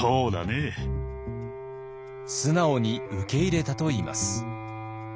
素直に受け入れたといいます。